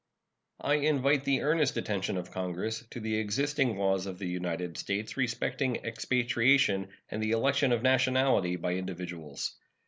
I invite the earnest attention of Congress to the existing laws of the United States respecting expatriation and the election of nationality by individuals.